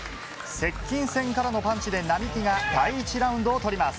接近戦からのパンチで並木が第１ラウンドを取ります。